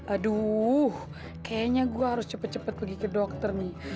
aduh kayaknya gua harus cepet cepet pergi ke dokter nih